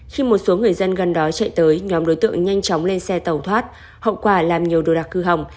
khi một số người dân gần đó chạy tới nhóm đối tượng nhanh chóng lên xe tàu thoát hậu quả làm nhiều đồ đạc hư hỏng